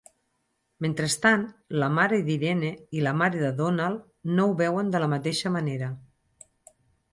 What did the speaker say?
Mentrestant, la mare d'Irene i la mare de Donald no ho veuen de la mateixa manera.